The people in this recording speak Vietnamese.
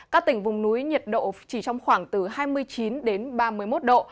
các tỉnh vùng núi nhiệt độ chỉ trong khoảng từ hai mươi chín đến ba mươi một độ